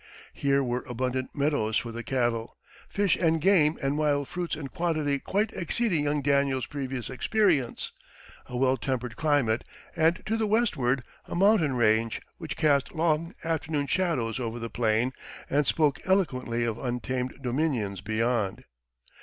Here were abundant meadows for the cattle, fish and game and wild fruits in quantity quite exceeding young Daniel's previous experience, a well tempered climate, and to the westward a mountain range which cast long afternoon shadows over the plain and spoke eloquently of untamed dominions beyond.